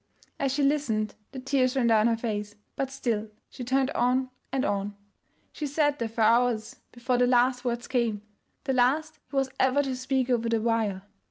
As she listened, the tears ran down her face, but still she turned on and on. She sat there for hours before the last words came, the last he was ever to speak over the wire.